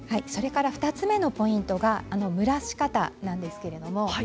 それから２つ目のポイントが蒸らし方なんですけれども。